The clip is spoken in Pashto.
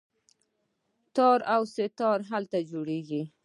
تار او سه تار هلته جوړیږي.